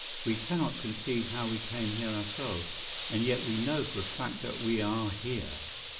We cannot conceive how we came here ourselves, and yet we know for a fact that we are here.